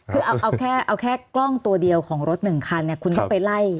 คือเอาแค่กล้องตัวเดียวของรถ๑คันคุณต้องไปไล่